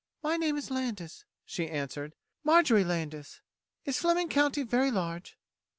"My name is Landis," she answered. "Marjorie Landis. Is Fleming County very large?"